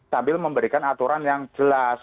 sambil memberikan aturan yang jelas